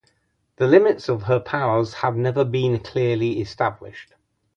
The limits of her powers have never been clearly established.